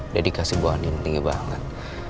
dedikasi bu andi penting banget